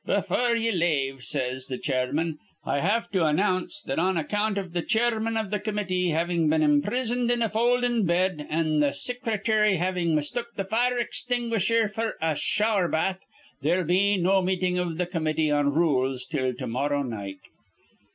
'Befure ye lave,' says th' chairman, 'I have to announce that on account iv th' chairman of the comity havin' been imprisoned in a foldin' bed an' th' sicrity havin' mistook th' fire extinguisher f'r a shower bath, they'll be no meeting' iv th' comity on rules till to morrow night.